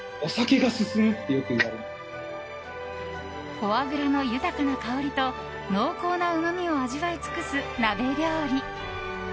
フォアグラの豊かな香りと濃厚なうまみを味わい尽くす鍋料理。